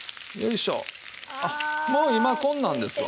もう今こんなんですわ。